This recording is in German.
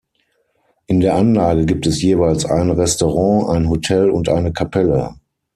In der Anlage gibt es jeweils ein Restaurant, ein Hotel und eine Kapelle.